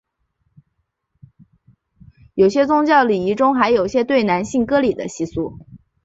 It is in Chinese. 有些宗教仪式中还有对男性割礼的习俗。